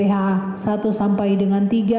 dengan kadar hcl banding lima puluh seratus